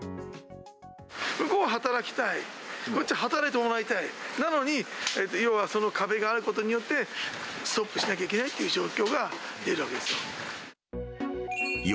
向こうは働きたい、こっちは働いてもらいたい、なのに、いわばその壁があることによって、ストップしなきゃいけないっていう状況が出るわけですよ。